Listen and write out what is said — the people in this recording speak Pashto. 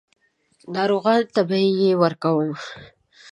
ناروغانو ته به یې ورکوم.